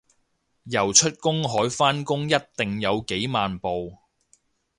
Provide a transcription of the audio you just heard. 游出公海返工一定有幾萬步